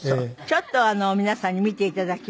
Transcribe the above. ちょっと皆さんに見て頂きます。